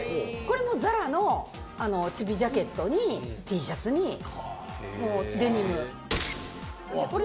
これもＺＡＲＡのちびジャケットにＴシャツにデニム。